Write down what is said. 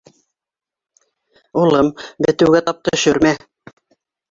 — Улым, бетеүгә тап төшөрмә!